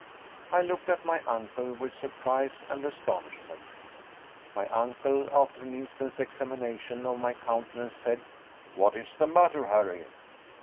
I looked at my uncle with surprise and astonishment. My uncle, after an instant's examination of my countenance, said: "What is the matter, Harry?"